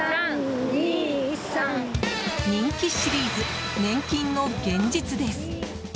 人気シリーズ、年金の現実です。